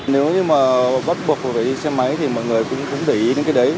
nếu như mà bắt buộc phải đi xe máy thì mọi người cũng để ý đến cái đấy